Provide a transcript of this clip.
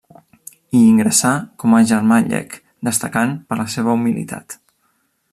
Hi ingressà com a germà llec, destacant per la seva humilitat.